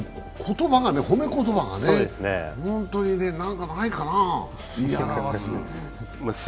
褒め言葉が本当にね、何かないかな、言い表す。